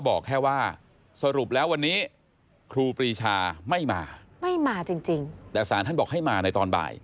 ไม่มาจริงแต่ศาลท่านบอกให้มาในตอนบ่าย